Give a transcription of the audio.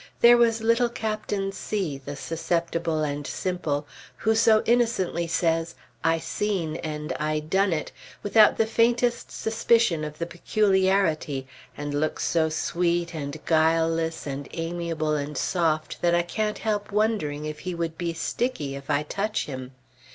There was little Captain C , the Susceptible and Simple, who so innocently says "I seen" and "I done it," without the faintest suspicion of the peculiarity, and looks so sweet, and guileless, and amiable, and soft, that I can't help wondering if he would be sticky if I touch him.